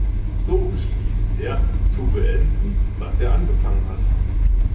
So beschließt er, zu beenden, was er angefangen hat.